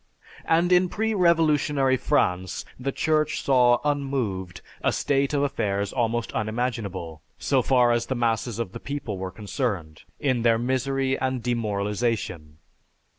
And in pre revolutionary France, the Church saw unmoved a state of affairs almost unimaginable, so far as the masses of the people were concerned, in their misery and demoralization.